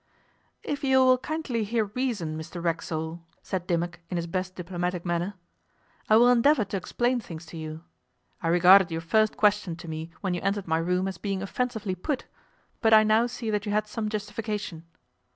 'If you will kindly hear reason, Mr Racksole,' said Dimmock in his best diplomatic manner, 'I will endeavour to explain things to you. I regarded your first question to me when you entered my room as being offensively put, but I now see that you had some justification.